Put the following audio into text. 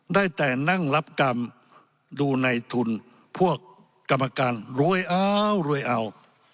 ได้แต่นั่งรับกรรมดูในทุนพวกกรรมการรวยเอารวยเอา